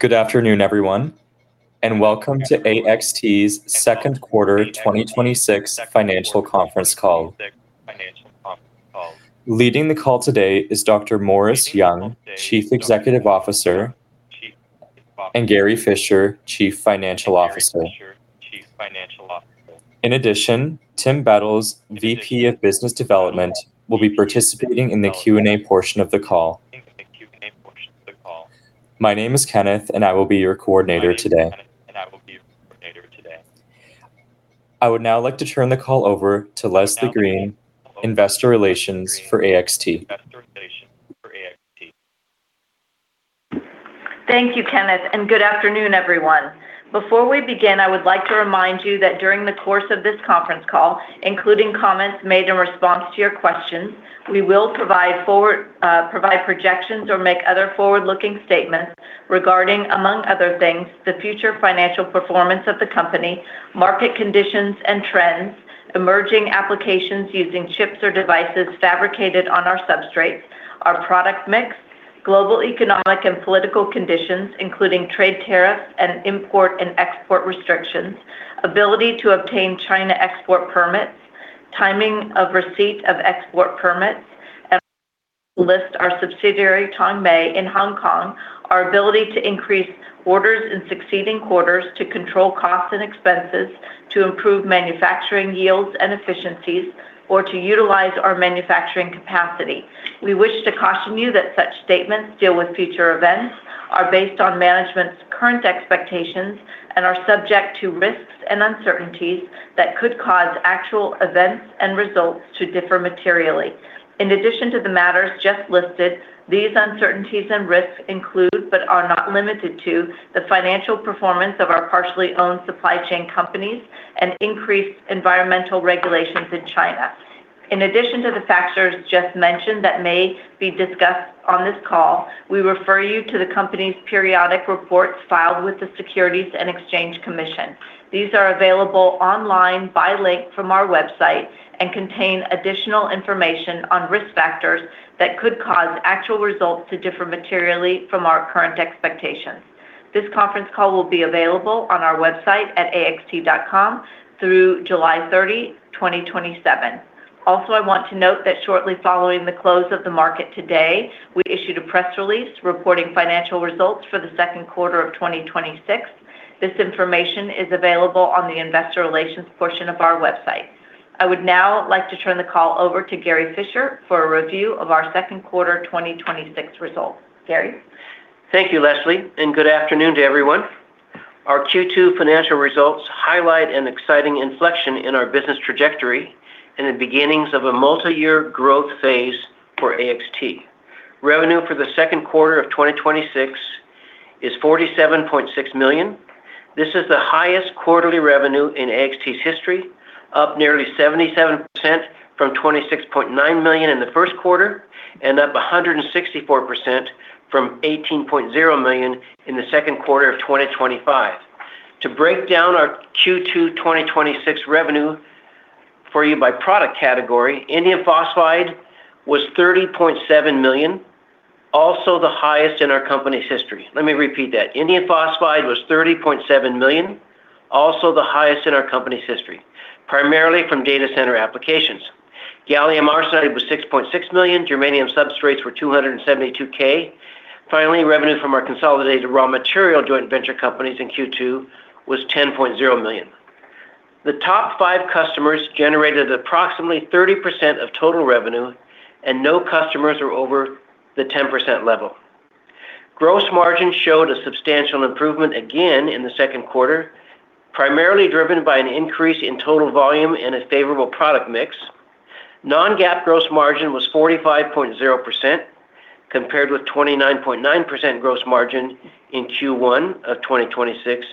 Good afternoon, everyone, and welcome to AXT's second quarter 2026 financial conference call. Leading the call today is Dr. Morris Young, Chief Executive Officer, and Gary Fischer, Chief Financial Officer. In addition, Tim Bettles, VP of Business Development, will be participating in the Q&A portion of the call. My name is Kenneth, and I will be your coordinator today. I would now like to turn the call over to Leslie Green, Investor Relations for AXT. Thank you, Kenneth, and good afternoon, everyone. Before we begin, I would like to remind you that during the course of this conference call, including comments made in response to your questions, we will provide projections or make other forward-looking statements regarding, among other things, the future financial performance of the company, market conditions and trends, emerging applications using chips or devices fabricated on our substrates, our product mix, global economic and political conditions, including trade tariffs and import and export restrictions, ability to obtain China export permits, timing of receipt of export permits, and list our subsidiary, Tongmei, in Hong Kong, our ability to increase orders in succeeding quarters to control costs and expenses, to improve manufacturing yields and efficiencies, or to utilize our manufacturing capacity. We wish to caution you that such statements deal with future events, are based on management's current expectations, and are subject to risks and uncertainties that could cause actual events and results to differ materially. In addition to the matters just listed, these uncertainties and risks include, but are not limited to, the financial performance of our partially owned supply chain companies and increased environmental regulations in China. In addition to the factors just mentioned that may be discussed on this call, we refer you to the company's periodic reports filed with the Securities and Exchange Commission. These are available online by link from our website and contain additional information on risk factors that could cause actual results to differ materially from our current expectations. This conference call will be available on our website at axt.com through July 30, 2027. Also, I want to note that shortly following the close of the market today, we issued a press release reporting financial results for the second quarter of 2026. This information is available on the investor relations portion of our website. I would now like to turn the call over to Gary Fischer for a review of our second quarter 2026 results. Gary? Thank you, Leslie, and good afternoon to everyone. Our Q2 financial results highlight an exciting inflection in our business trajectory and the beginnings of a multi-year growth phase for AXT. Revenue for the second quarter of 2026 is $47.6 million. This is the highest quarterly revenue in AXT's history, up nearly 77% from $26.9 million in the first quarter and up 164% from $18.0 million in the second quarter of 2025. To break down our Q2 2026 revenue for you by product category, indium phosphide was $30.7 million, also the highest in our company's history. Let me repeat that. Indium phosphide was $30.7 million, also the highest in our company's history, primarily from data center applications. Gallium arsenide was $6.6 million. Germanium substrates were $272,000. Finally, revenue from our consolidated raw material joint venture companies in Q2 was $10.0 million. The top five customers generated approximately 30% of total revenue, and no customers are over the 10% level. Gross margin showed a substantial improvement again in the second quarter, primarily driven by an increase in total volume and a favorable product mix. Non-GAAP gross margin was 45.0%, compared with 29.9% gross margin in Q1 of 2026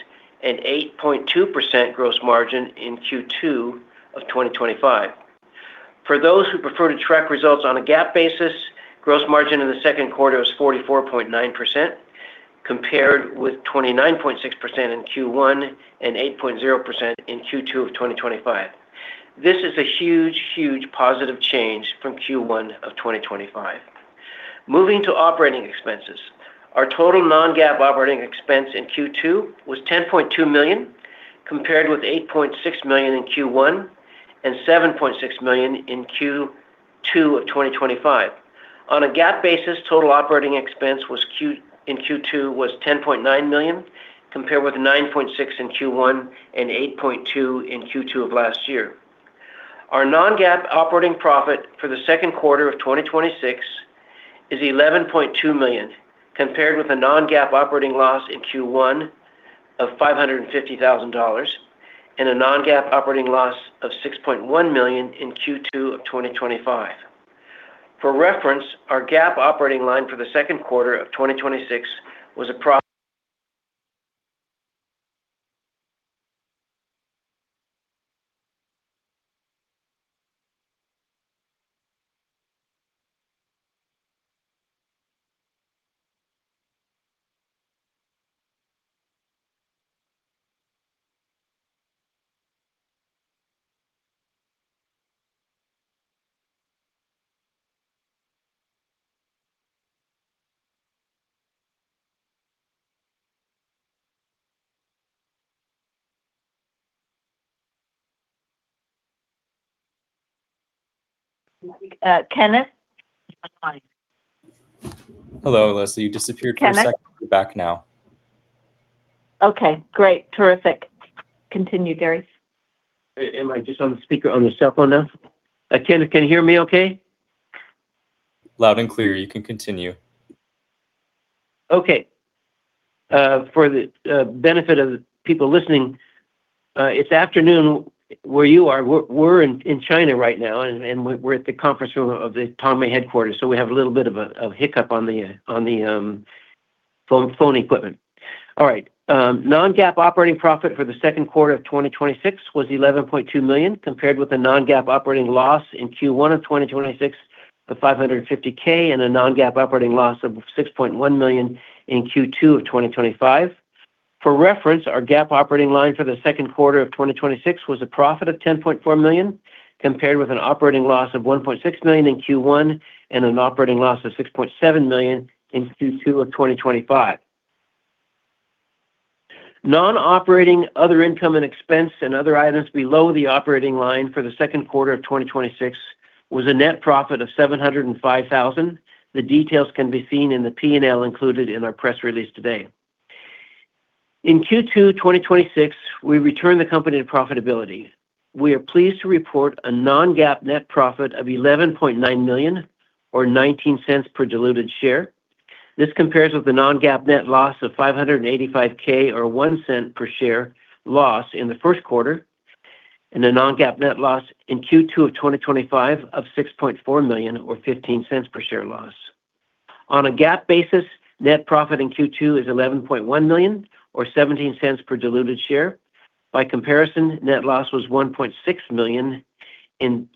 and 8.2% gross margin in Q2 of 2025. For those who prefer to track results on a GAAP basis, gross margin in the second quarter was 44.9%, compared with 29.6% in Q1 and 8.0% in Q2 of 2025. This is a huge positive change from Q1 of 2025. Moving to operating expenses. Our total non-GAAP operating expense in Q2 was $10.2 million, compared with $8.6 million in Q1 and $7.6 million in Q2 of 2025. On a GAAP basis, total operating expense in Q2 was $10.9 million, compared with $9.6 million in Q1 and $8.2 million in Q2 of last year. Our non-GAAP operating profit for the second quarter of 2026 is $11.2 million, compared with a non-GAAP operating loss in Q1 of $550,000 and a non-GAAP operating loss of $6.1 million in Q2 of 2025. For reference, our GAAP operating line for the second quarter of 2026 was. Kenneth? Hello, Leslie, you disappeared for a second. Kenneth? You're back now. Okay, great. Terrific. Continue, Gary. Am I just on the speaker on the cell phone now? Kenneth, can you hear me okay? Loud and clear. You can continue. Okay. For the benefit of the people listening, it's afternoon where you are. We're in China right now, and we're at the conference room of the Tongmei headquarters, so we have a little bit of a hiccup on the phone equipment. All right. non-GAAP operating profit for the second quarter of 2026 was $11.2 million, compared with a non-GAAP operating loss in Q1 of 2026 of $550,000, and a non-GAAP operating loss of $6.1 million in Q2 of 2025. For reference, our GAAP operating line for the second quarter of 2026 was a profit of $10.4 million, compared with an operating loss of $1.6 million in Q1, and an operating loss of $6.7 million in Q2 of 2025. Non-operating other income and expense and other items below the operating line for the second quarter of 2026 was a net profit of $705,000. The details can be seen in the P&L included in our press release today. In Q2 2026, we returned the company to profitability. We are pleased to report a non-GAAP net profit of $11.9 million or $0.19 per diluted share. This compares with the non-GAAP net loss of $585,000 or $0.01 per share loss in the first quarter, and a non-GAAP net loss in Q2 of 2025 of $6.4 million or $0.15 per share loss. On a GAAP basis, net profit in Q2 is $11.1 million or $0.17 per diluted share. By comparison, net loss was $1.6 million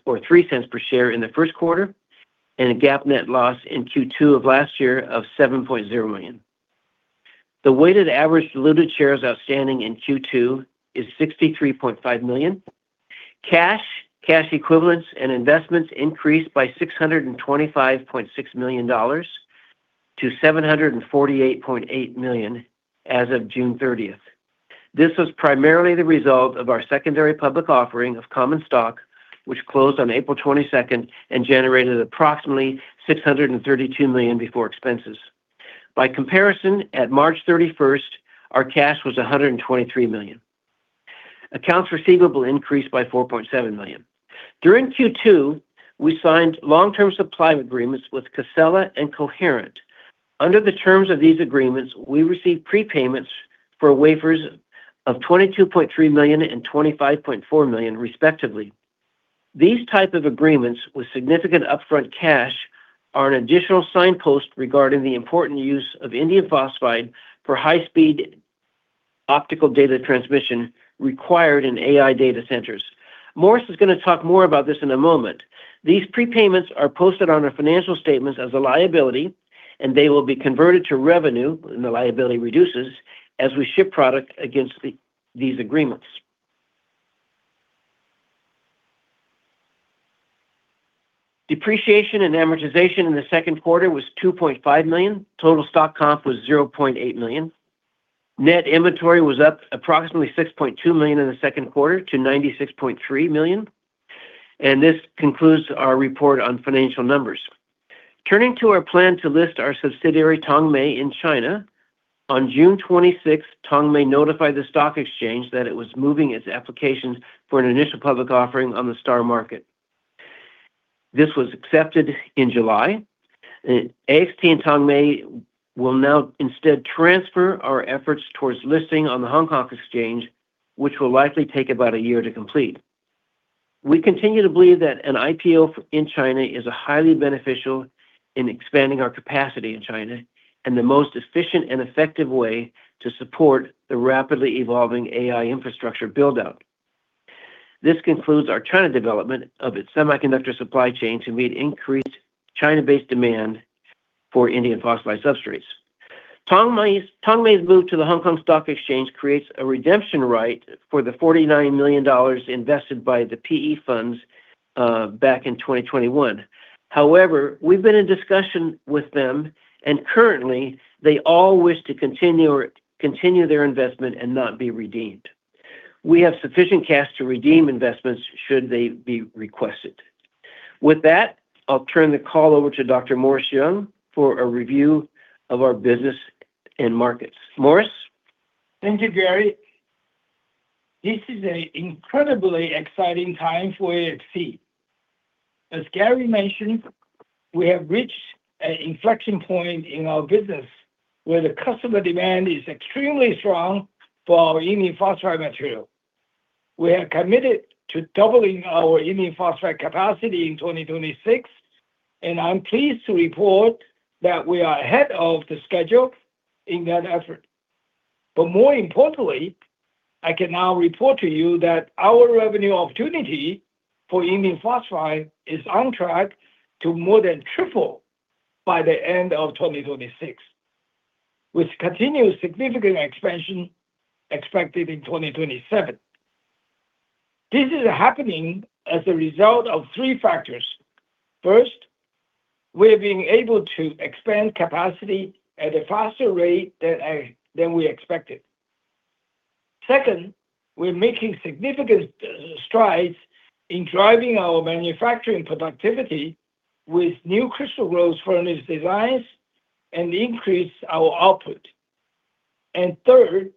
or $0.03 per share in the first quarter, and a GAAP net loss in Q2 of last year of $7.0 million. The weighted average diluted shares outstanding in Q2 is 63.5 million. Cash, cash equivalents, and investments increased by $625.6 million to $748.8 million as of June 30th. This was primarily the result of our secondary public offering of common stock, which closed on April 22nd and generated approximately $632 million before expenses. By comparison, at March 31st, our cash was $123 million. Accounts receivable increased by $4.7 million. During Q2, we signed long-term supply agreements with Casela and Coherent. Under the terms of these agreements, we received prepayments for wafers of $22.3 million and $25.4 million respectively. These type of agreements with significant upfront cash are an additional signpost regarding the important use of indium phosphide for high-speed optical data transmission required in AI data centers. Morris is going to talk more about this in a moment. These prepayments are posted on our financial statements as a liability, and they will be converted to revenue, and the liability reduces, as we ship product against these agreements. Depreciation and amortization in the second quarter was $2.5 million. Total stock comp was $0.8 million. Net inventory was up approximately $6.2 million in the second quarter to $96.3 million. This concludes our report on financial numbers. Turning to our plan to list our subsidiary, Tongmei, in China. On June 26th, Tongmei notified the stock exchange that it was moving its applications for an initial public offering on the STAR Market. This was accepted in July. AXT and Tongmei will now instead transfer our efforts towards listing on the Hong Kong Exchange, which will likely take about a year to complete. We continue to believe that an IPO in China is a highly beneficial in expanding our capacity in China and the most efficient and effective way to support the rapidly evolving AI infrastructure build-out. This concludes our China development of its semiconductor supply chain to meet increased China-based demand for indium phosphide substrates. Tongmei's move to the Stock Exchange of Hong Kong creates a redemption right for the $49 million invested by the PE funds back in 2021. We've been in discussion with them, and currently, they all wish to continue their investment and not be redeemed. We have sufficient cash to redeem investments should they be requested. With that, I'll turn the call over to Dr. Morris Young for a review of our business and markets. Morris? Thank you, Gary. This is an incredibly exciting time for AXT. As Gary mentioned, we have reached an inflection point in our business where the customer demand is extremely strong for our indium phosphide material. We are committed to doubling our indium phosphide capacity in 2026, I'm pleased to report that we are ahead of the schedule in that effort. More importantly, I can now report to you that our revenue opportunity for indium phosphide is on track to more than triple by the end of 2026, with continued significant expansion expected in 2027. This is happening as a result of three factors. First, we are being able to expand capacity at a faster rate than we expected. Second, we are making significant strides in driving our manufacturing productivity with new crystal growth furnace designs and increase our output. Third,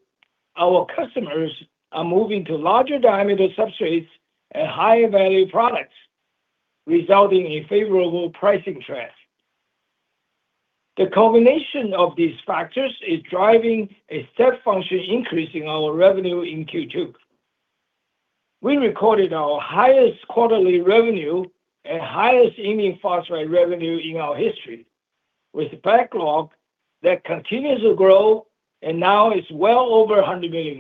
our customers are moving to larger diameter substrates and higher value products, resulting in favorable pricing trends. The combination of these factors is driving a step function increase in our revenue in Q2. We recorded our highest quarterly revenue and highest indium phosphide revenue in our history, with backlog that continues to grow and now is well over $100 million.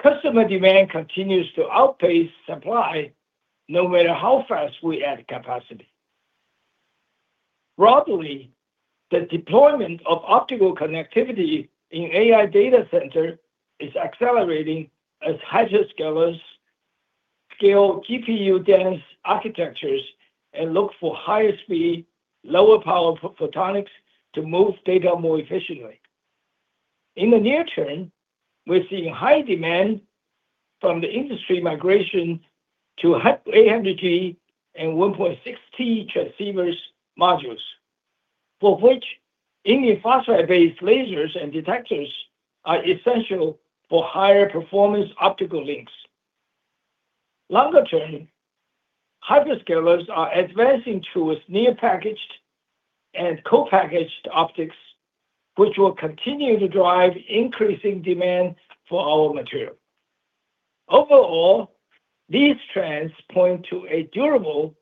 Customer demand continues to outpace supply, no matter how fast we add capacity. Broadly, the deployment of optical connectivity in AI data center is accelerating as hyperscalers scale GPU dense architectures and look for higher speed, lower power photonics to move data more efficiently. In the near term, we're seeing high demand from the industry migration to 800G and 1.6T transceivers modules, for which indium phosphide-based lasers and detectors are essential for higher performance optical links. Longer term, hyperscalers are advancing towards near-packaged and co-packaged optics, which will continue to drive increasing demand for our material. Overall, these trends point to a durable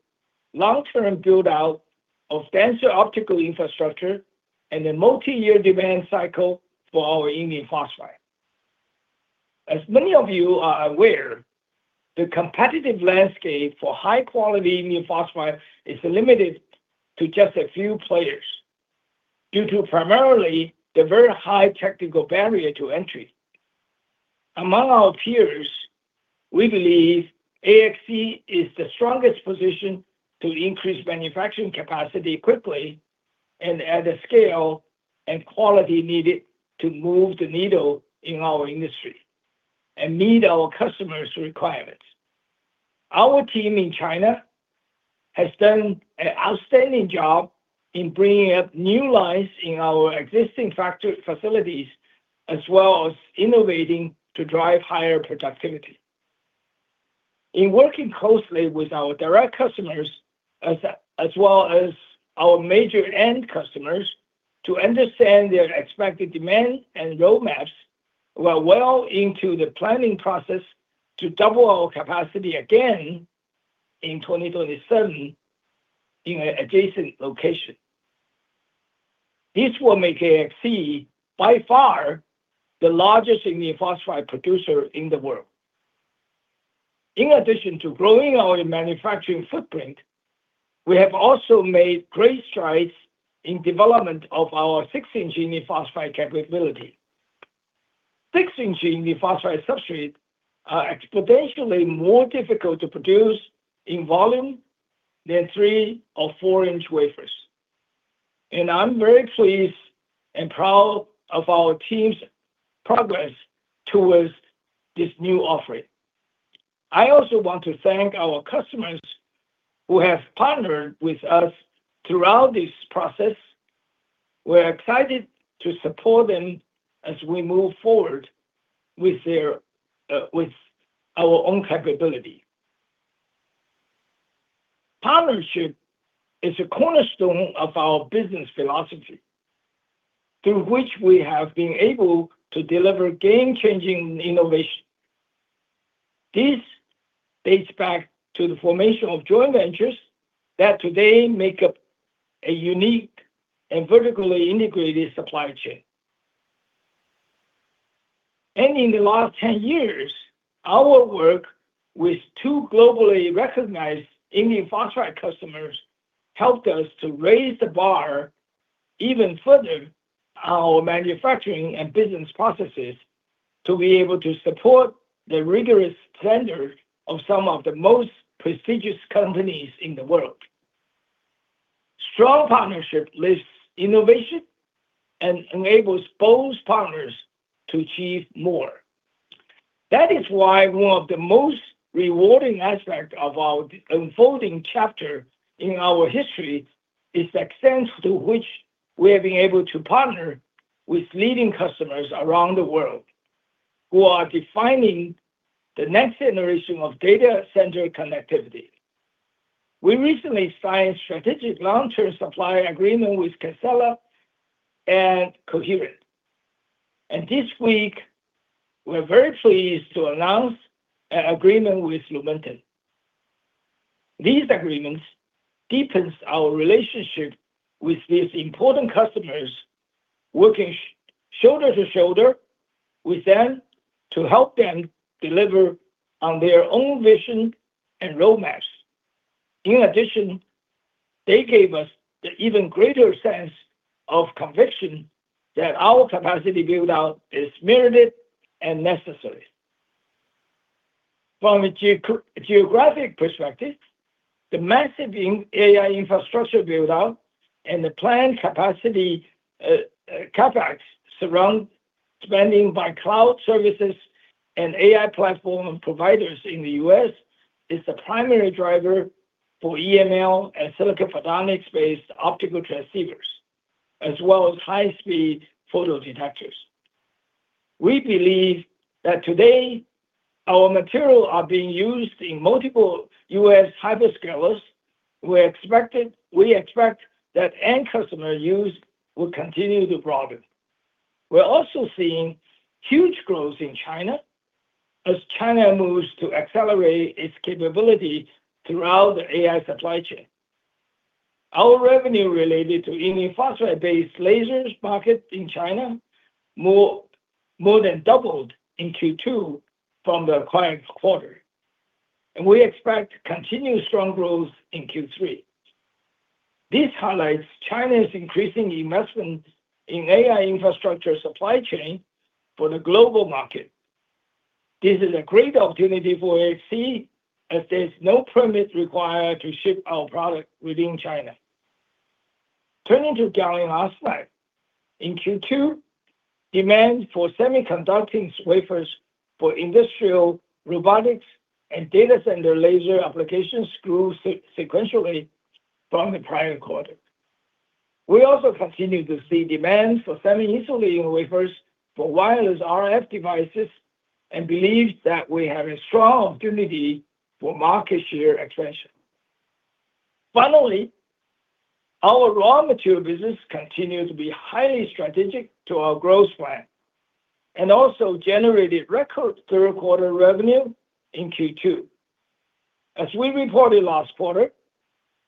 long-term build-out of denser optical infrastructure and a multi-year demand cycle for our indium phosphide. As many of you are aware, the competitive landscape for high-quality indium phosphide is limited to just a few players due to primarily the very high technical barrier to entry. Among our peers, we believe AXT is the strongest position to increase manufacturing capacity quickly and at the scale and quality needed to move the needle in our industry and meet our customers' requirements. Our team in China has done an outstanding job in bringing up new lines in our existing facilities, as well as innovating to drive higher productivity. In working closely with our direct customers, as well as our major end customers, to understand their expected demand and roadmaps, we are well into the planning process to double our capacity again in 2027 in an adjacent location. This will make AXT by far the largest indium phosphide producer in the world. In addition to growing our manufacturing footprint, we have also made great strides in development of our six-inch indium phosphide capability. Six-inch indium phosphide substrate are exponentially more difficult to produce in volume than three or four-inch wafers. I'm very pleased and proud of our team's progress towards this new offering. I also want to thank our customers who have partnered with us throughout this process. We're excited to support them as we move forward with our own capability. Partnership is a cornerstone of our business philosophy, through which we have been able to deliver game-changing innovation. This dates back to the formation of joint ventures that today make up a unique and vertically integrated supply chain. In the last 10 years, our work with two globally recognized indium phosphide customers helped us to raise the bar even further our manufacturing and business processes to be able to support the rigorous standards of some of the most prestigious companies in the world. Strong partnership lifts innovation and enables both partners to achieve more. That is why one of the most rewarding aspect of our unfolding chapter in our history is the extent to which we have been able to partner with leading customers around the world who are defining the next generation of data center connectivity. We recently signed strategic long-term supply agreement with Casela and Coherent. This week, we're very pleased to announce an agreement with Lumentum. These agreements deepens our relationship with these important customers, working shoulder to shoulder with them to help them deliver on their own vision and roadmaps. In addition, they gave us the even greater sense of conviction that our capacity build-out is merited and necessary. From a geographic perspective, the massive AI infrastructure build-out and the planned capacity, CapEx surround spending by cloud services and AI platform providers in the U.S. is the primary driver for EML and silicon photonics-based optical transceivers, as well as high-speed photodetectors. We believe that today our material are being used in multiple U.S. hyperscalers. We expect that end customer use will continue to broaden. We're also seeing huge growth in China as China moves to accelerate its capability throughout the AI supply chain. Our revenue related to indium phosphide-based lasers market in China more than doubled in Q2 from the prior quarter. We expect continued strong growth in Q3. This highlights China's increasing investment in AI infrastructure supply chain for the global market. This is a great opportunity for AXT as there's no permit required to ship our product within China. Turning to gallium arsenide, in Q2, demand for semiconducting wafers for industrial, robotics, and data center laser applications grew sequentially from the prior quarter. We also continue to see demand for semi-insulating wafers for wireless RF devices and believe that we have a strong opportunity for market share expansion. Finally, our raw material business continues to be highly strategic to our growth plan, also generated record third quarter revenue in Q2. As we reported last quarter,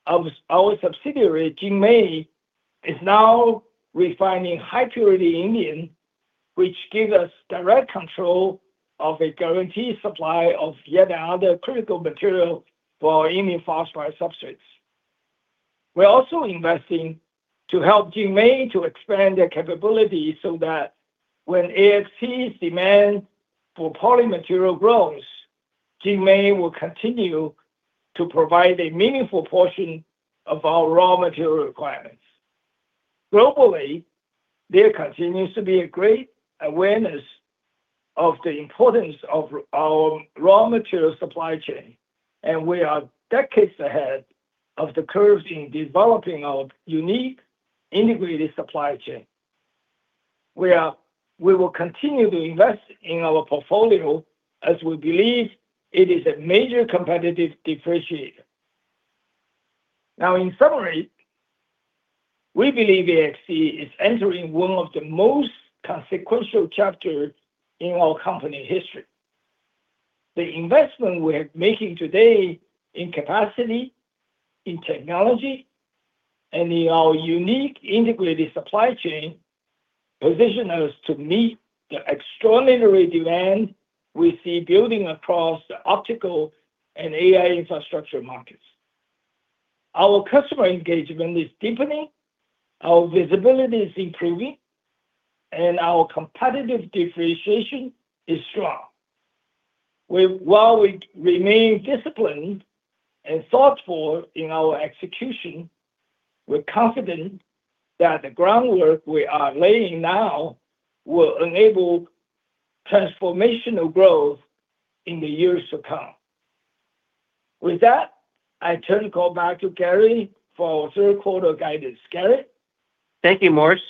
our subsidiary, Jinmei, is now refining high-purity indium, which gives us direct control of a guaranteed supply of yet another critical material for indium phosphide substrates. We're also investing to help Jinmei to expand their capability so that when AXT's demand for poly material grows, Jinmei will continue to provide a meaningful portion of our raw material requirements. Globally, there continues to be a great awareness of the importance of our raw material supply chain, and we are decades ahead of the curve in developing our unique integrated supply chain. We will continue to invest in our portfolio as we believe it is a major competitive differentiator. In summary, we believe AXT is entering one of the most consequential chapters in our company history. The investment we're making today in capacity, in technology, and in our unique integrated supply chain, position us to meet the extraordinary demand we see building across the optical and AI infrastructure markets. Our customer engagement is deepening, our visibility is improving, and our competitive differentiation is strong. While we remain disciplined and thoughtful in our execution, we're confident that the groundwork we are laying now will enable transformational growth in the years to come. With that, I turn the call back to Gary for our third quarter guidance. Gary? Thank you, Morris.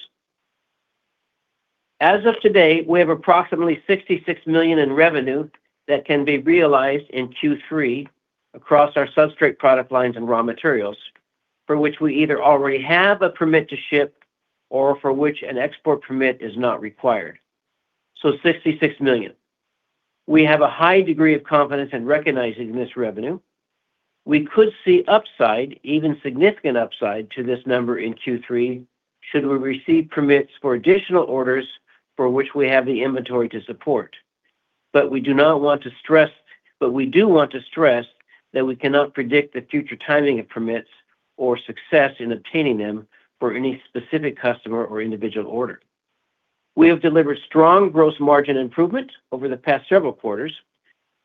As of today, we have approximately $66 million in revenue that can be realized in Q3 across our substrate product lines and raw materials, for which we either already have a permit to ship or for which an export permit is not required. $66 million. We have a high degree of confidence in recognizing this revenue. We could see upside, even significant upside to this number in Q3 should we receive permits for additional orders for which we have the inventory to support. We do want to stress that we cannot predict the future timing of permits or success in obtaining them for any specific customer or individual order. We have delivered strong gross margin improvement over the past several quarters.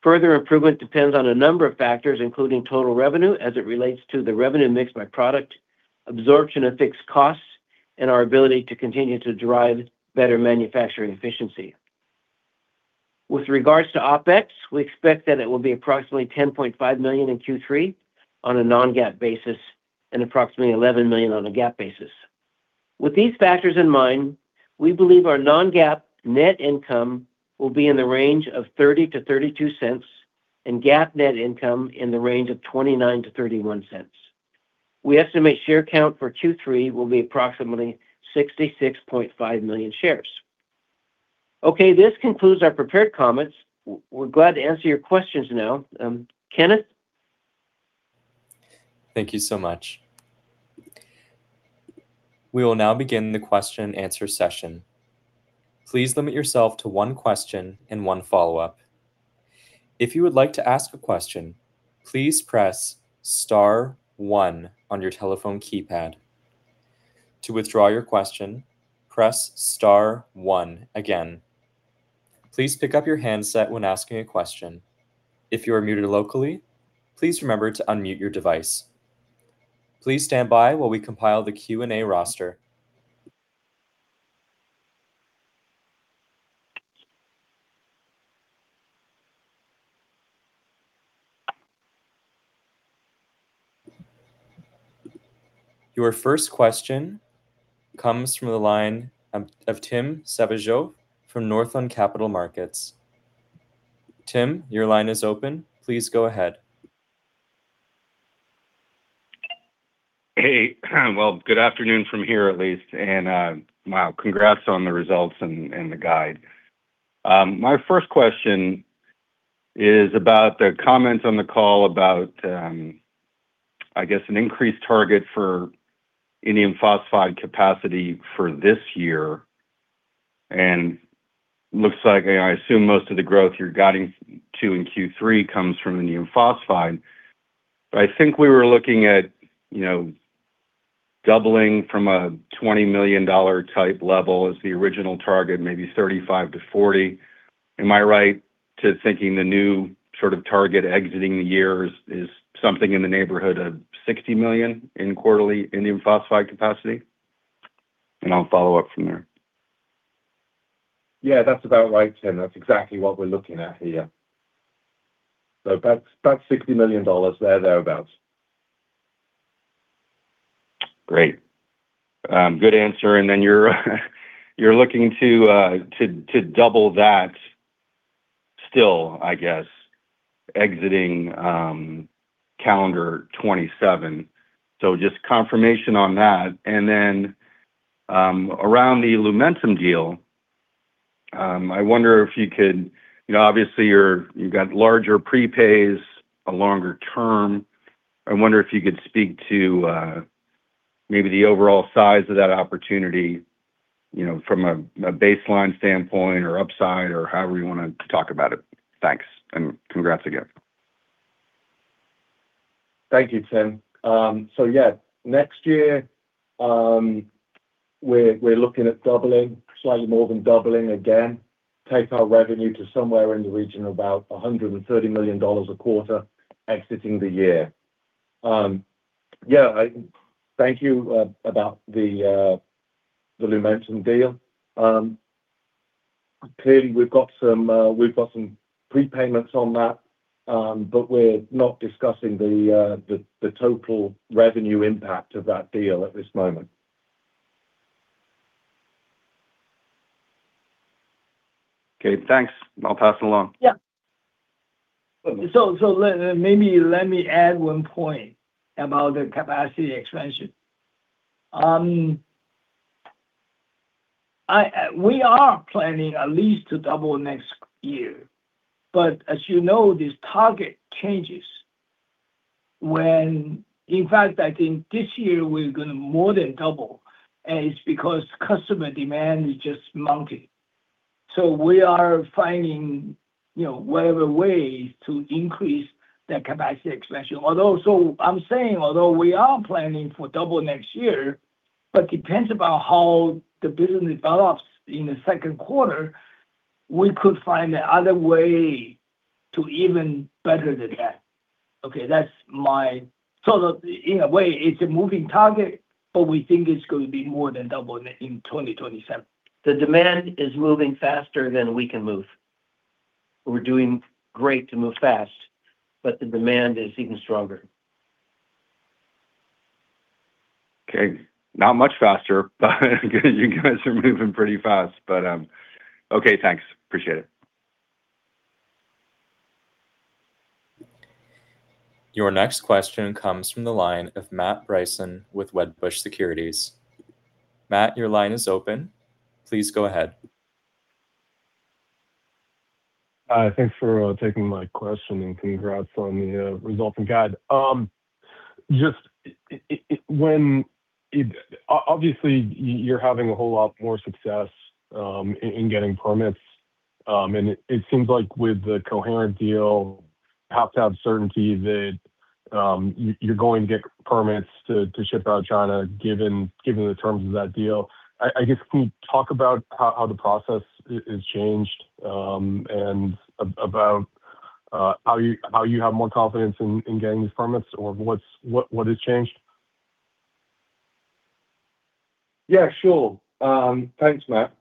Further improvement depends on a number of factors, including total revenue as it relates to the revenue mix by product, absorption of fixed costs, and our ability to continue to drive better manufacturing efficiency. With regards to OpEx, we expect that it will be approximately $10.5 million in Q3 on a non-GAAP basis, and approximately $11 million on a GAAP basis. With these factors in mind, we believe our non-GAAP net income will be in the range of $0.30 to $0.32, and GAAP net income in the range of $0.29 to $0.31. We estimate share count for Q3 will be approximately 66.5 million shares. Okay. This concludes our prepared comments. We're glad to answer your questions now. Kenneth? Thank you so much. We will now begin the question answer session. Please limit yourself to one question and one follow-up. If you would like to ask a question, please press star one on your telephone keypad. To withdraw your question, press star one again. Please pick up your handset when asking a question. If you are muted locally, please remember to unmute your device. Please stand by while we compile the Q&A roster. Your first question comes from the line of Tim Savageau from Northland Capital Markets. Tim, your line is open. Please go ahead. Hey. Well, good afternoon from here at least. Wow, congrats on the results and the guide. My first question is about the comments on the call about, I guess, an increased target for indium phosphide capacity for this year, looks like, I assume most of the growth you're guiding to in Q3 comes from indium phosphide. I think we were looking at doubling from a $20 million type level as the original target, maybe $35 million-$40 million. Am I right to thinking the new sort of target exiting the year is something in the neighborhood of $60 million in quarterly indium phosphide capacity? I'll follow up from there. Yeah, that's about right, Tim. That's exactly what we're looking at here. About $60 million there, thereabouts. Great. Good answer. You're looking to double that still, I guess, exiting calendar 2027. Just confirmation on that. Around the Lumentum deal, I wonder if you could Obviously, you've got larger prepays, a longer term. I wonder if you could speak to maybe the overall size of that opportunity, from a baseline standpoint or upside or however you want to talk about it. Thanks, congrats again. Thank you, Tim. Yeah, next year, we're looking at doubling, slightly more than doubling again, take our revenue to somewhere in the region of about $130 million a quarter exiting the year. Yeah, thank you about the Lumentum deal. Clearly, we've got some prepayments on that, we're not discussing the total revenue impact of that deal at this moment. Okay, thanks. I'll pass it along. Yeah. Maybe let me add one point about the capacity expansion. We are planning at least to double next year, as you know, this target changes. In fact, I think this year we're going to more than double, it's because customer demand is just mounting. We are finding whatever ways to increase that capacity expansion. We are planning for double next year, depends about how the business develops in the second quarter, we could find another way to even better than that. Okay, in a way, it's a moving target, we think it's going to be more than double in 2027. The demand is moving faster than we can move. We're doing great to move fast, the demand is even stronger. Okay. Not much faster, but you guys are moving pretty fast. Okay, thanks. Appreciate it. Your next question comes from the line of Matt Bryson with Wedbush Securities. Matt, your line is open. Please go ahead. Thanks for taking my question, and congrats on the results and guide. Obviously, you're having a whole lot more success in getting permits. It seems like with the Coherent deal, you have to have certainty that you're going to get permits to ship out of China given the terms of that deal. I guess, can you talk about how the process has changed, and about how you have more confidence in getting these permits, or what has changed? Yeah, sure. Thanks, Matt.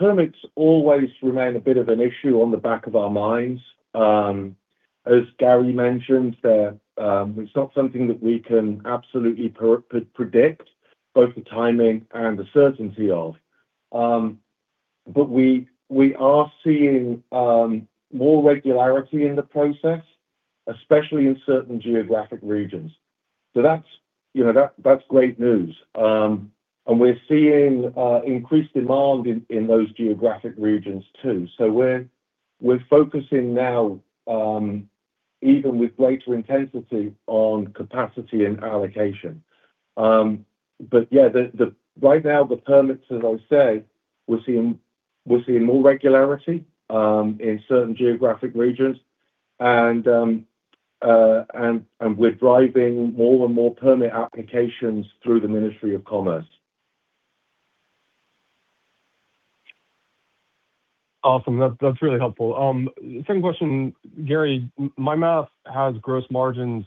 Permits always remain a bit of an issue on the back of our minds. As Gary mentioned there, it's not something that we can absolutely predict, both the timing and the certainty of. We are seeing more regularity in the process, especially in certain geographic regions. That's great news. We're seeing increased demand in those geographic regions, too. We're focusing now even with greater intensity on capacity and allocation. Yeah, right now, the permits, as I say, we're seeing more regularity in certain geographic regions, and we're driving more and more permit applications through the Ministry of Commerce. Awesome. That's really helpful. Same question, Gary. My math has gross margins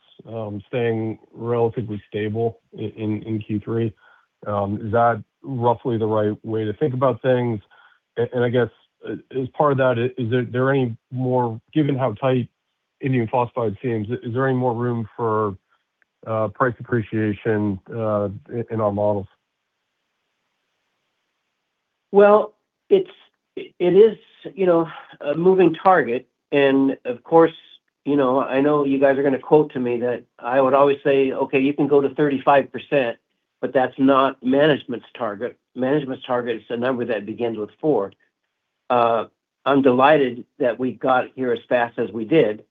staying relatively stable in Q3. Is that roughly the right way to think about things? I guess, as part of that, given how tight indium phosphide seems, is there any more room for price appreciation in our models? Well, it is a moving target. Of course, I know you guys are going to quote me that I would always say, "Okay, you can go to 35%, but that's not management's target. Management's target is a number that begins with four." I'm delighted that we got here as fast as we did.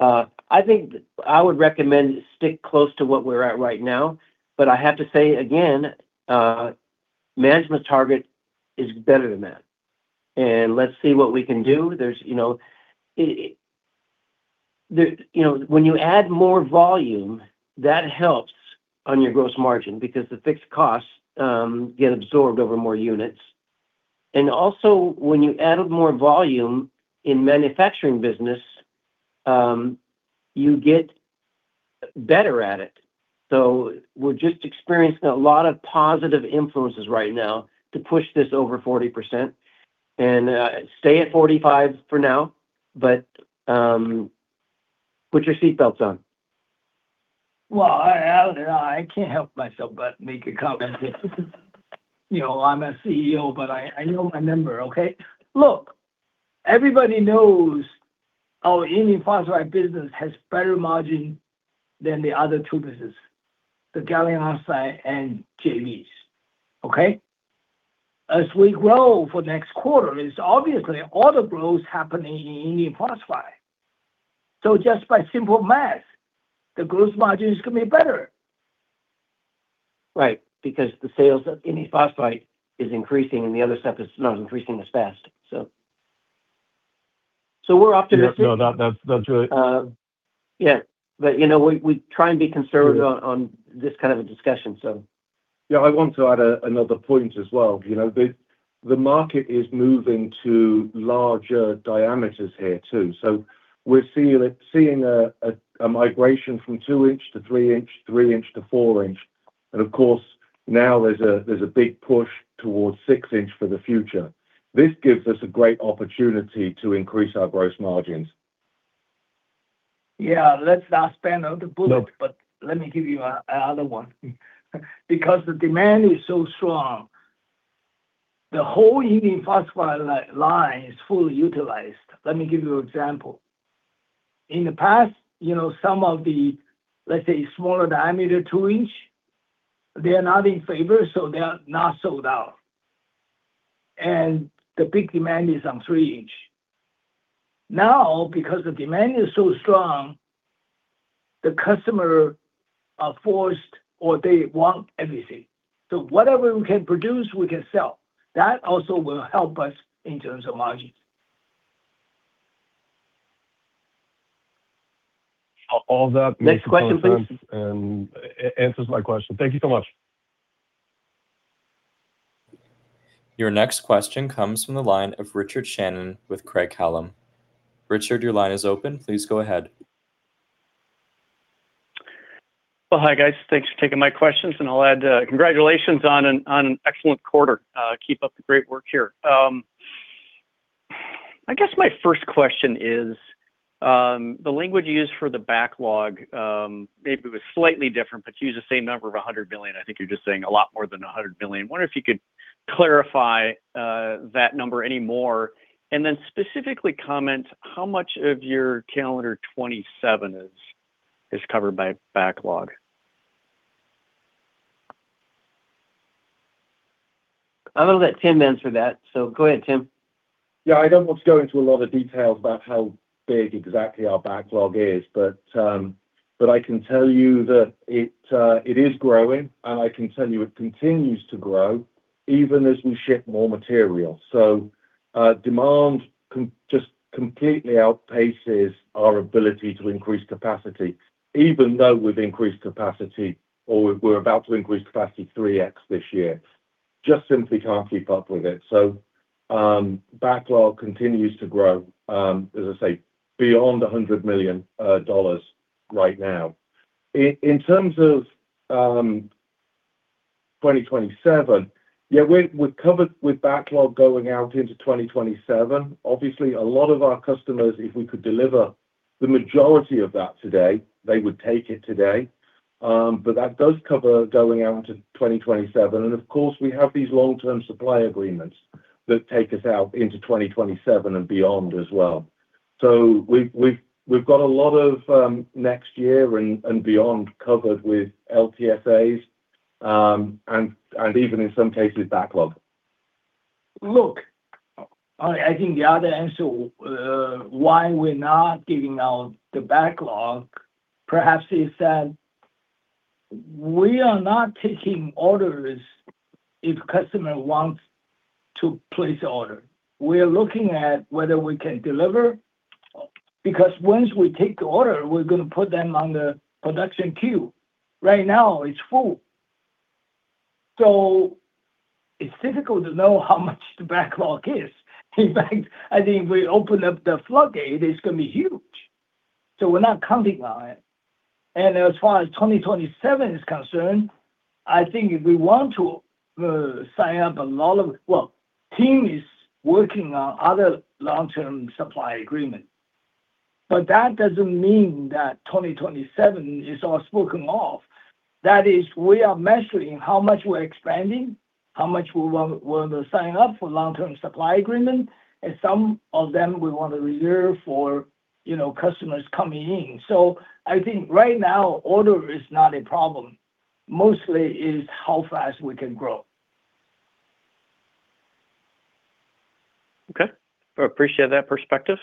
I think I would recommend stick close to what we're at right now. I have to say again, management target is better than that. Let's see what we can do. When you add more volume, that helps on your gross margin because the fixed costs get absorbed over more units. Also, when you add more volume in manufacturing business, you get better at it. We're just experiencing a lot of positive influences right now to push this over 40% and stay at 45 for now. Put your seat belts on. Well, I can't help myself but make a comment here. I'm a CEO, but I know my number, okay? Look, everybody knows our indium phosphide business has better margin than the other two business, the gallium arsenide and JVs. Okay? As we grow for next quarter, it's obviously all the growth happening in indium phosphide. Just by simple math, the gross margin is going to be better. Right. Because the sales of indium phosphide is increasing, the other stuff is not increasing as fast. We're optimistic. No, that's really. Yeah. We try and be conservative on this kind of a discussion. Yeah, I want to add another point as well. The market is moving to larger diameters here, too. We're seeing a migration from 2-inch to 3-inch, 3-inch to 4-inch, and of course, now there's a big push towards 6-inch for the future. This gives us a great opportunity to increase our gross margins. Yeah, let's not spend all the. No Let me give you another one. Because the demand is so strong, the whole indium phosphide line is fully utilized. Let me give you an example. In the past, some of the, let's say, smaller diameter, two-inch, they are not in favor, so they are not sold out. The big demand is on three-inch. Because the demand is so strong, the customer are forced or they want everything. Whatever we can produce, we can sell. That also will help us in terms of margins. All that makes perfect sense. Next question, please. Answers my question. Thank you so much. Your next question comes from the line of Richard Shannon with Craig-Hallum. Richard, your line is open. Please go ahead. Well, hi, guys. Thanks for taking my questions. I'll add congratulations on an excellent quarter. Keep up the great work here. I guess my first question is, the language you used for the backlog, maybe it was slightly different, but you used the same number of $100 million. I think you're just saying a lot more than $100 million. Wonder if you could clarify that number any more, and then specifically comment how much of your calendar 2027 is covered by backlog. I'm going to let Tim answer that. Go ahead, Tim. Yeah, I don't want to go into a lot of details about how big exactly our backlog is. I can tell you that it is growing, and I can tell you it continues to grow even as we ship more material. Demand just completely outpaces our ability to increase capacity, even though we've increased capacity, or we're about to increase capacity 3x this year. Just simply can't keep up with it. Backlog continues to grow, as I say, beyond $100 million right now. In terms of 2027, yeah, we're covered with backlog going out into 2027. Obviously, a lot of our customers, if we could deliver the majority of that today, they would take it today. That does cover going out into 2027. Of course, we have these Long-Term Supply Agreements that take us out into 2027 and beyond as well. We've got a lot of next year and beyond covered with LTSAs, and even in some cases, backlog. Look, I think the other answer why we're not giving out the backlog, perhaps, is that we are not taking orders if customer wants to place order. We are looking at whether we can deliver, because once we take the order, we're going to put them on the production queue. Right now it's full. It's difficult to know how much the backlog is. In fact, I think if we open up the floodgate, it's going to be huge. We're not counting on it. As far as 2027 is concerned, I think if we want to sign up a lot of Well, team is working on other long-term supply agreement. That doesn't mean that 2027 is all spoken of. That is, we are measuring how much we're expanding, how much we're willing to sign up for long-term supply agreement, and some of them we want to reserve for customers coming in. I think right now order is not a problem, mostly is how fast we can grow. Okay. I appreciate that perspective.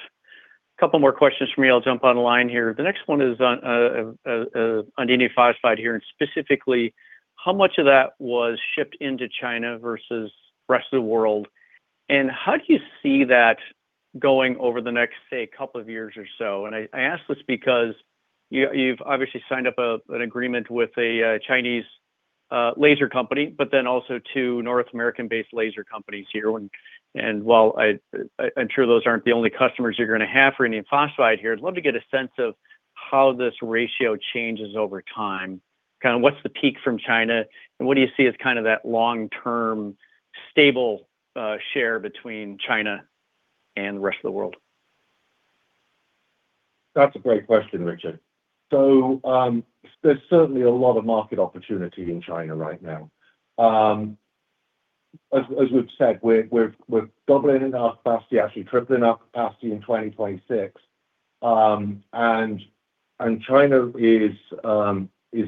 Couple more questions from me. I'll jump on the line here. The next one is on indium phosphide here, and specifically how much of that was shipped into China versus rest of the world, and how do you see that going over the next, say, couple of years or so? I ask this because you've obviously signed up an agreement with a Chinese laser company, but then also two North American-based laser companies here. While I'm sure those aren't the only customers you're going to have for indium phosphide here, I'd love to get a sense of how this ratio changes over time. Kind of what's the peak from China, and what do you see as kind of that long-term stable share between China and the rest of the world? That's a great question, Richard. There's certainly a lot of market opportunity in China right now. As we've said, we're doubling our capacity, actually tripling our capacity in 2026. China is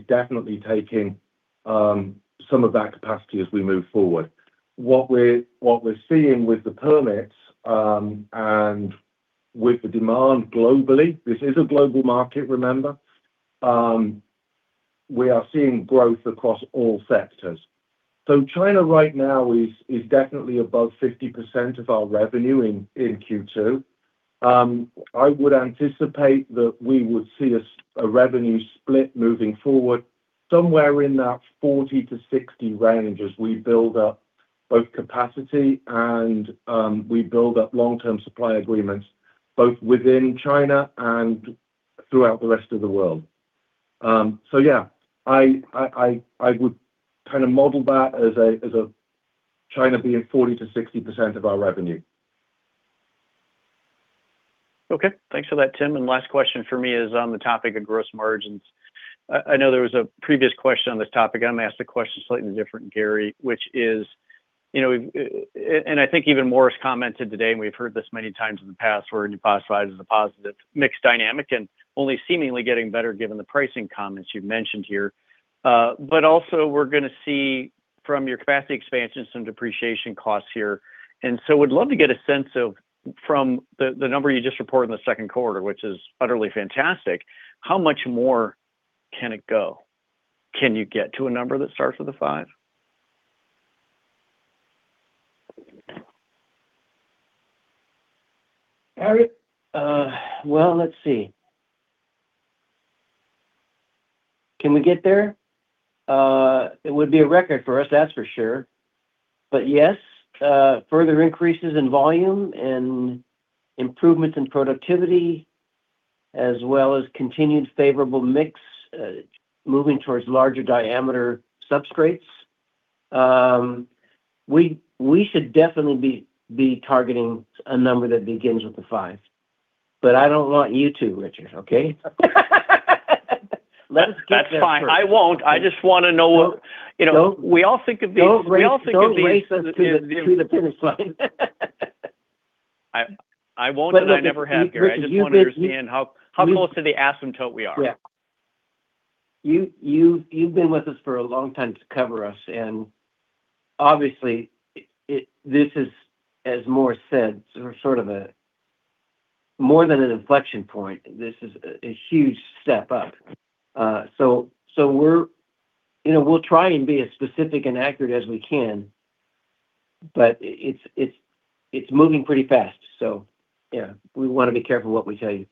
definitely taking some of that capacity as we move forward. What we're seeing with the permits, and with the demand globally, this is a global market, remember. We are seeing growth across all sectors. China right now is definitely above 50% of our revenue in Q2. I would anticipate that we would see a revenue split moving forward somewhere in that 40%-60% range as we build up both capacity and we build up long-term supply agreements, both within China and throughout the rest of the world. I would kind of model that as China being 40%-60% of our revenue. Okay. Thanks for that, Tim. Last question for me is on the topic of gross margins. I know there was a previous question on this topic, I'm going to ask the question slightly different, Gary. I think even Morris commented today, and we've heard this many times in the past, where indium phosphide is a positive mix dynamic and only seemingly getting better given the pricing comments you've mentioned here. Also we're going to see from your capacity expansion some depreciation costs here. Would love to get a sense of, from the number you just reported in the second quarter, which is utterly fantastic, how much more can it go? Can you get to a number that starts with a five? All right. Well, let's see. Can we get there? It would be a record for us, that's for sure. Yes, further increases in volume and improvements in productivity, as well as continued favorable mix, moving towards larger diameter substrates. We should definitely be targeting a number that begins with a five. I don't want you to, Richard, okay? Let's get there first. That's fine. I won't. I just want to know. Nope we all think of Don't race us to the finish line. I won't, and I never have, Gary. I just want to understand how close to the asymptote we are. Yeah. You've been with us for a long time to cover us, and obviously, this is, as Morris said, sort of more than an inflection point. This is a huge step up. We'll try and be as specific and accurate as we can. It's moving pretty fast. Yeah. We want to be careful what we tell you.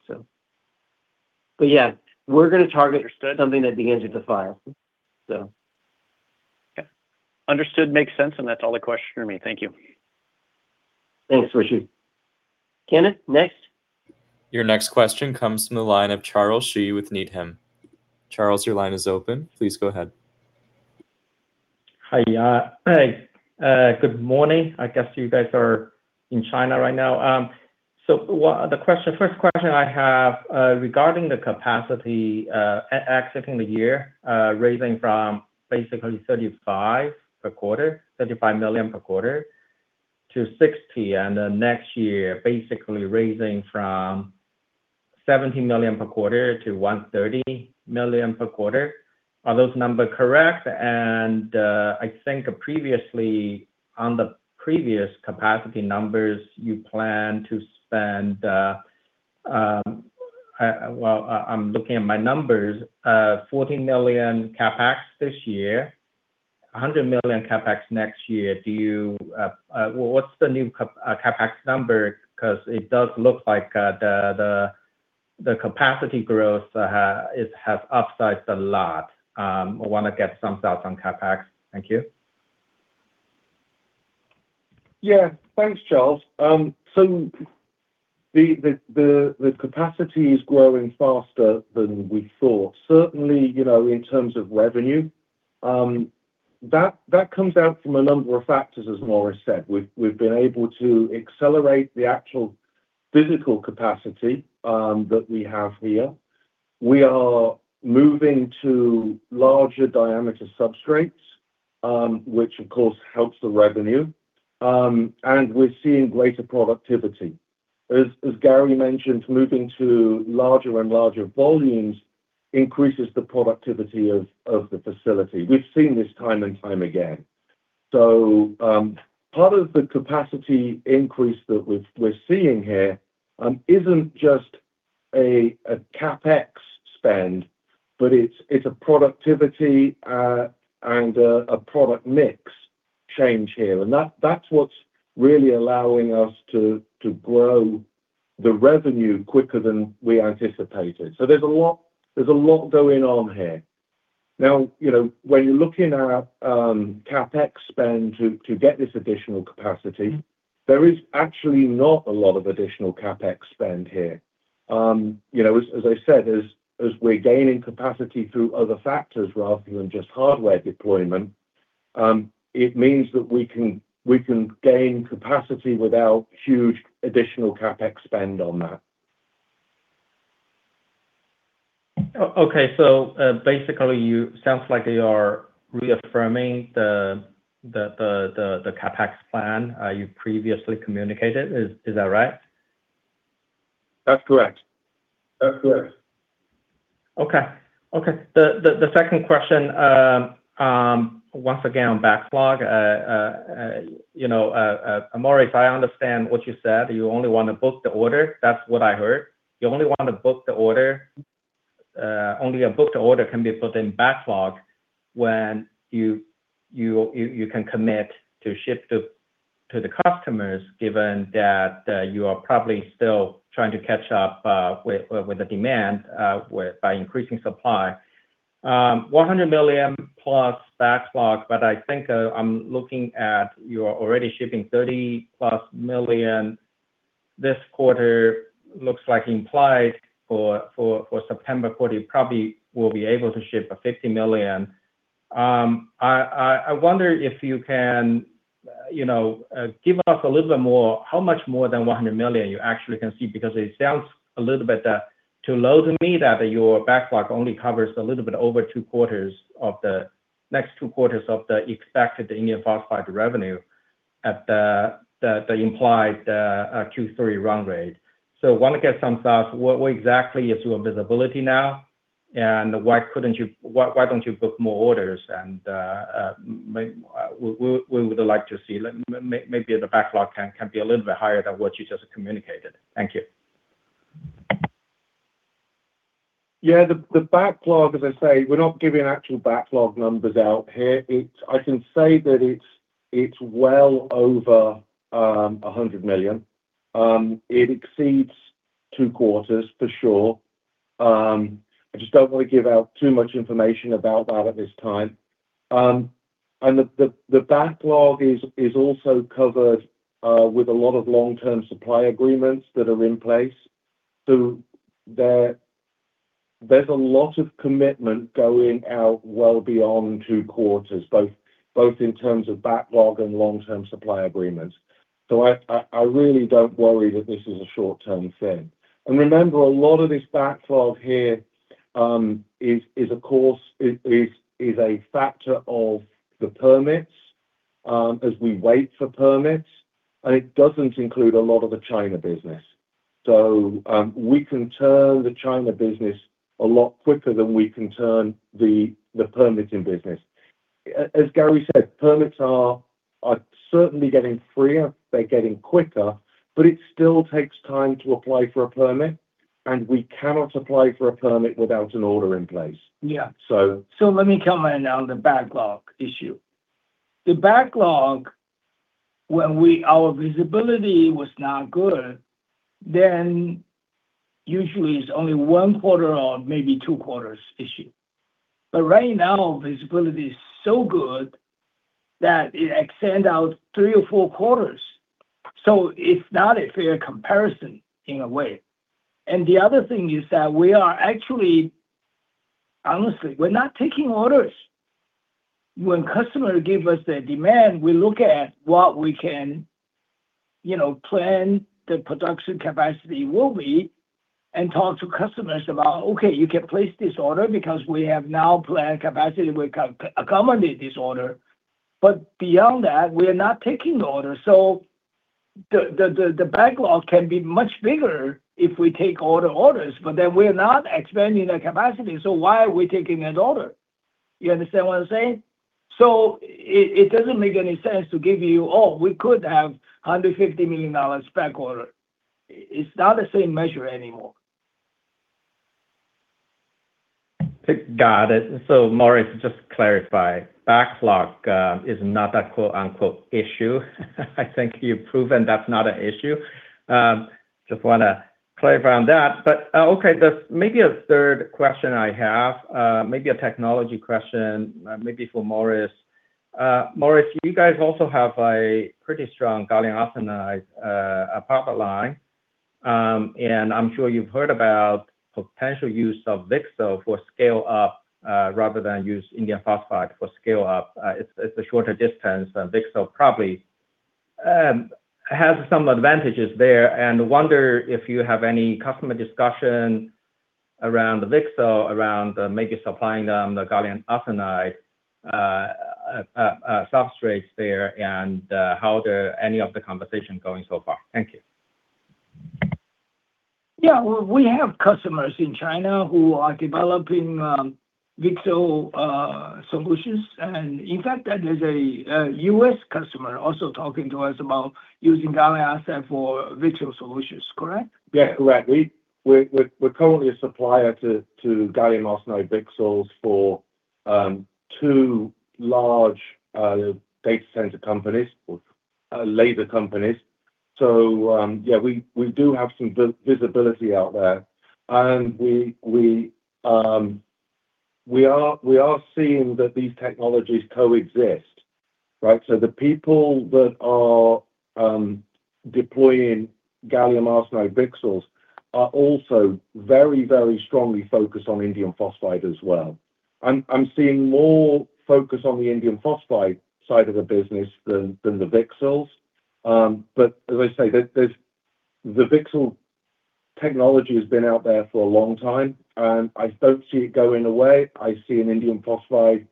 Yeah, we're going to target something that begins with a five. Okay. Understood. Makes sense. That's all the questions from me. Thank you. Thanks, Richard. Kenneth, next. Your next question comes from the line of Charles Shi with Needham. Charles, your line is open. Please go ahead. Hi. Good morning. I guess you guys are in China right now. The first question I have regarding the capacity exiting the year, raising from basically $35 million per quarter to $60 million, then next year basically raising from $70 million per quarter to $130 million per quarter. Are those numbers correct? I think previously, on the previous capacity numbers, you plan to spend, well, I'm looking at my numbers, $14 million CapEx this year, $100 million CapEx next year. What's the new CapEx number? It does look like the capacity growth has upsides a lot. I want to get some thoughts on CapEx. Thank you. Yeah. Thanks, Charles. The capacity is growing faster than we thought. Certainly, in terms of revenue, that comes out from a number of factors, as Morris said. We've been able to accelerate the actual physical capacity that we have here. We are moving to larger diameter substrates, which, of course, helps the revenue. We're seeing greater productivity. As Gary mentioned, moving to larger and larger volumes increases the productivity of the facility. We've seen this time and time again. Part of the capacity increase that we're seeing here isn't just a CapEx spend, but it's a productivity and a product mix change here, and that's what's really allowing us to grow the revenue quicker than we anticipated. There's a lot going on here. Now, when you're looking at CapEx spend to get this additional capacity, there is actually not a lot of additional CapEx spend here. As I said, as we're gaining capacity through other factors rather than just hardware deployment, it means that we can gain capacity without huge additional CapEx spend on that. Okay. Basically, sounds like you are reaffirming the CapEx plan you previously communicated. Is that right? That's correct. That's correct. Okay. The second question, once again, on backlog. Morris, if I understand what you said, you only want to book the order. That's what I heard. You only want to book the order. Only a booked order can be put in backlog when you can commit to ship to the customers, given that you are probably still trying to catch up with the demand by increasing supply. $100 million-plus backlog, but I think I'm looking at you are already shipping $30 million-plus this quarter. Looks like implied for September quarter, you probably will be able to ship a $50 million. I wonder if you can give us a little bit more, how much more than $100 million you actually can see, because it sounds a little bit too low to me that your backlog only covers a little bit over two quarters of the next two quarters of the expected indium phosphide revenue at the implied Q3 run rate. I want to get some thoughts. What exactly is your visibility now, and why don't you book more orders? We would like to see maybe the backlog can be a little bit higher than what you just communicated. Thank you. The backlog, as I say, we're not giving actual backlog numbers out here. I can say that it's well over $100 million. It exceeds two quarters, for sure. I just don't want to give out too much information about that at this time. The backlog is also covered with a lot of long-term supply agreements that are in place. There's a lot of commitment going out well beyond two quarters, both in terms of backlog and long-term supply agreements. I really don't worry that this is a short-term thing. Remember, a lot of this backlog here is a factor of the permits, as we wait for permits, and it doesn't include a lot of the China business. We can turn the China business a lot quicker than we can turn the permitting business. As Gary said, permits are certainly getting freer. They're getting quicker, but it still takes time to apply for a permit, and we cannot apply for a permit without an order in place. Yeah. So. Let me comment on the backlog issue. The backlog, when our visibility was not good, then usually it's only one quarter or maybe two quarters issue. Right now, visibility is so good that it extend out three or four quarters. It's not a fair comparison in a way. The other thing is that we are actually, honestly, we're not taking orders. When customer give us the demand, we look at what we can plan the production capacity will be and talk to customers about, "Okay, you can place this order because we have now planned capacity, we can accommodate this order." Beyond that, we are not taking orders. The backlog can be much bigger if we take all the orders, we're not expanding the capacity, so why are we taking an order? You understand what I'm saying? It doesn't make any sense to give you, oh, we could have $150 million back order. It's not the same measure anymore. Got it. Morris, just to clarify, backlog is not a quote-unquote issue. I think you've proven that's not an issue. Just want to clarify on that. Okay, there's maybe a third question I have, maybe a technology question, maybe for Morris. Morris, you guys also have a pretty strong gallium arsenide epitaxy line. I'm sure you've heard about potential use of VCSEL for scale up, rather than use indium phosphide for scale up. It's a shorter distance, and VCSEL probably has some advantages there. I wonder if you have any customer discussion around VCSEL, around maybe supplying them the gallium arsenide substrates there, and how are any of the conversations going so far? Thank you. Yeah. We have customers in China who are developing VCSEL solutions, and in fact, there's a U.S. customer also talking to us about using gallium arsenide for VCSEL solutions. Correct? Yeah. Correct. We're currently a supplier to gallium arsenide VCSELs for two large data center companies, or laser companies. Yeah, we do have some visibility out there. We are seeing that these technologies coexist, right? The people that are deploying gallium arsenide VCSELs are also very strongly focused on indium phosphide as well. I'm seeing more focus on the indium phosphide side of the business than the VCSELs. As I say, the VCSEL technology has been out there for a long time, and I don't see it going away. I see an indium phosphide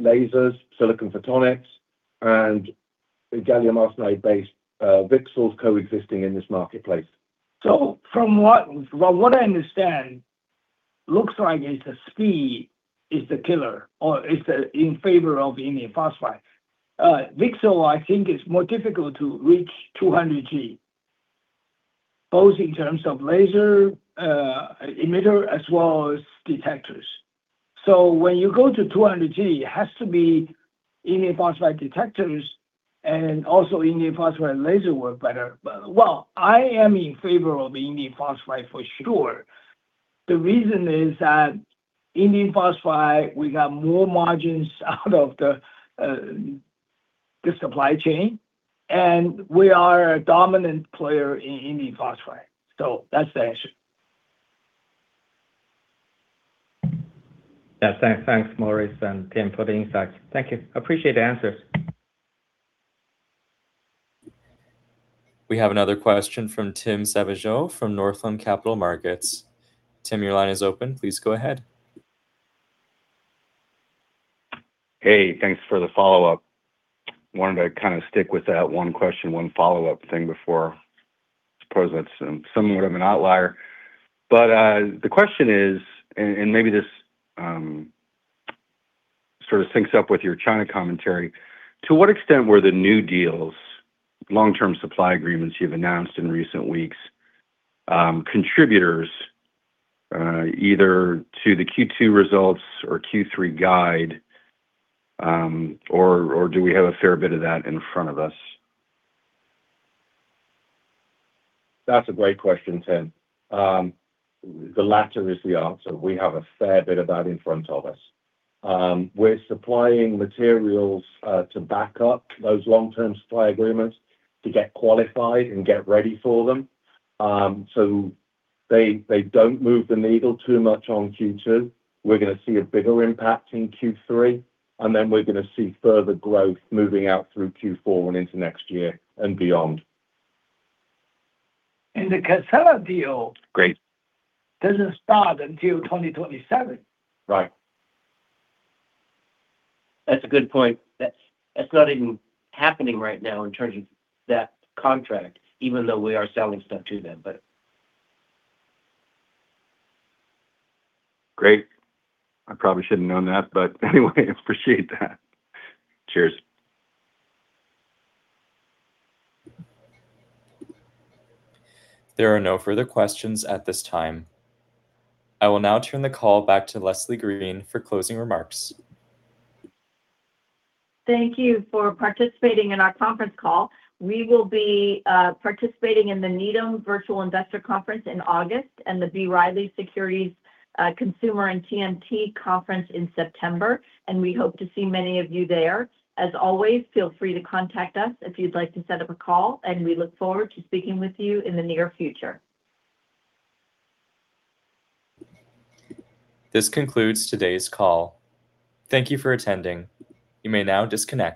lasers, silicon photonics, and the gallium arsenide-based VCSELs coexisting in this marketplace. From what I understand, looks like it's the speed is the killer, or is in favor of indium phosphide. VCSEL, I think, is more difficult to reach 200G, both in terms of laser emitter as well as detectors. When you go to 200G, it has to be indium phosphide detectors and also indium phosphide laser work better. Well, I am in favor of the indium phosphide for sure. The reason is that indium phosphide, we got more margins out of the supply chain, and we are a dominant player in indium phosphide. That's the answer. Yeah. Thanks, Morris and Tim, for the insight. Thank you. Appreciate the answers. We have another question from Tim Savageau from Northland Capital Markets. Tim, your line is open. Please go ahead. Hey, thanks for the follow-up. Wanted to kind of stick with that one question, one follow-up thing before. I suppose that's somewhat of an outlier. The question is, maybe this sort of syncs up with your China commentary, to what extent were the new deals, long-term supply agreements you've announced in recent weeks, contributors either to the Q2 results or Q3 guide, or do we have a fair bit of that in front of us? That's a great question, Tim. The latter is the answer. We have a fair bit of that in front of us. We're supplying materials to back up those long-term supply agreements to get qualified and get ready for them. They don't move the needle too much on Q2. We're going to see a bigger impact in Q3, then we're going to see further growth moving out through Q4 and into next year, beyond. And the Casela deal- Great doesn't start until 2027. Right. That's a good point. That's not even happening right now in terms of that contract, even though we are selling stuff to them. Great. I probably should've known that, but anyway, appreciate that. Cheers. There are no further questions at this time. I will now turn the call back to Leslie Green for closing remarks. Thank you for participating in our conference call. We will be participating in the Needham Virtual Investor Conference in August and the B. Riley Securities Consumer and TMT Conference in September. We hope to see many of you there. As always, feel free to contact us if you'd like to set up a call, and we look forward to speaking with you in the near future. This concludes today's call. Thank you for attending. You may now disconnect.